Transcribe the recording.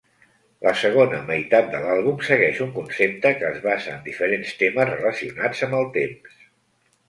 La segona meitat de l'àlbum segueix un concepte que es basa en diferents temes relacionats amb el temps.